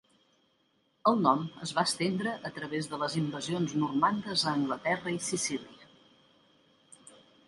El nom es va estendre a través de les invasions normandes a Anglaterra i Sicília.